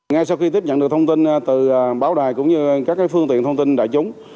ngay sau khi tiếp nhận được thông tin từ báo đài cũng như các phương tiện thông tin đại chúng